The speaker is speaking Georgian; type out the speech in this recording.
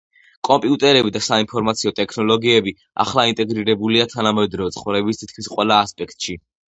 კომპიუტერები და საინფორმაციო ტექნოლოგიები ახლა ინტეგრირებულია თანამედროვე ცხოვრების თითქმის ყველა ასპექტში.